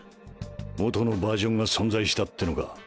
元のバージョンが存在したってのか？